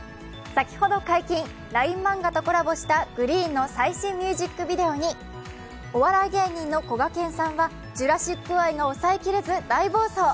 先ほど解禁、ＬＩＮＥマンガとコラボしたＧＲｅｅｅｅＮの最新ミュージックビデオにお笑い芸人のこがけんさんはジュラシック愛が抑えられず大暴走。